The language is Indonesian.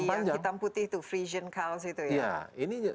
sapi yang hitam putih itu frisian cows itu ya